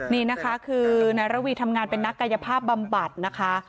นี่นะคะคือนายระวีทำงานเป็นนักกายภาพบำบัดนะคะ